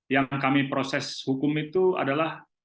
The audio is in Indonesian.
yang kami proses hukum itu adalah